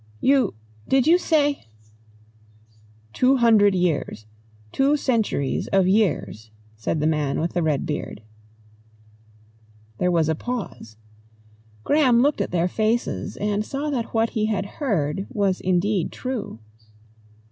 "You did you say ?" "Two hundred years. Two centuries of years," said the man with the red beard. There was a pause. Graham looked at their faces and saw that what he had heard was indeed true.